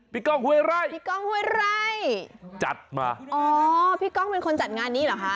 พี่ก้องเวร่ายจัดมาอ๋อพี่ก้องเป็นคนจัดงานนี้เหรอคะ